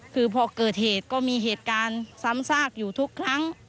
คือพอเกิดเหตุก็มีเหตุการณ์ซ้ำซากอยู่ทุกครั้ง